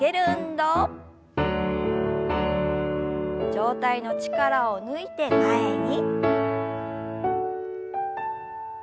上体の力を抜いて前に。